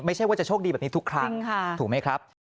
ไม่ใช่ว่าจะโชคดีแบบนี้ทุกครั้งถูกไหมครับ